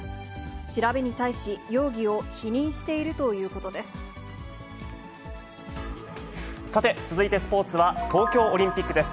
調べに対し、容疑を否認しているさて、続いてスポーツは、東京オリンピックです。